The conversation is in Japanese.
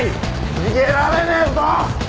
逃げられねえぞ！